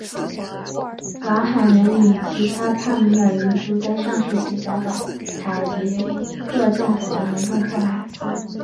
瓦罕人与其他帕米尔民族在上世纪遭到塔吉克政府的严重迫害。